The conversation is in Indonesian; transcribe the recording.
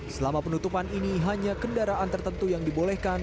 selama penutupan ini hanya kendaraan tertentu yang dibolehkan